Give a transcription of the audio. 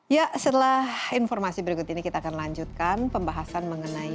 ya setelah informasi berikut ini kita akan lanjutkan pembahasan mengenai